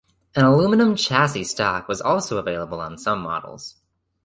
An aluminium chassis stock was also available on some models.